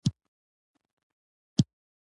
یو ډول عجیب زغم وو.